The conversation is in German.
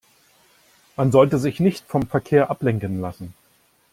Man sollte sich nicht vom Verkehr ablenken lassen.